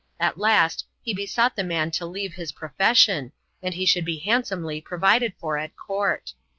At last he besought the man to leave his profession, and he should be handsomely provided for at court.